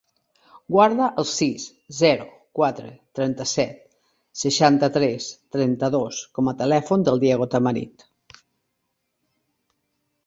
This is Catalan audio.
Guarda el sis, zero, quatre, trenta-set, seixanta-tres, trenta-dos com a telèfon del Diego Tamarit.